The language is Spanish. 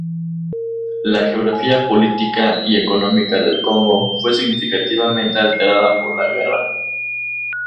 La geografía política y económica del Congo fue significativamente alterada por la guerra.